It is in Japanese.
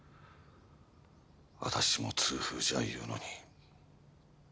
私も痛風じゃいうのに。